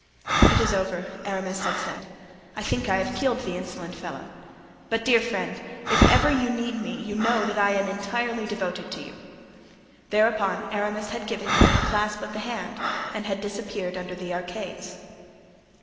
"It is over," Aramis had said. "I think I have killed the insolent fellow. But, dear friend, if you ever need me you know that I am entirely devoted to you." Thereupon Aramis had given him a clasp of the hand and had disappeared under the arcades.